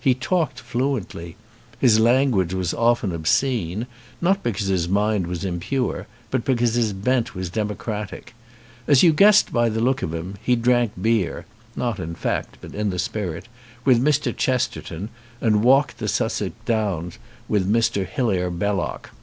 He talked fluently. His language was often obscene, not because his mind was impure, but be cause his bent was democratic. As you guessed by the look of him he drank beer (not in fact but in the spirit) with Mr. Chesterton and walked the Sussex downs with Mr. Hilaire Belloc.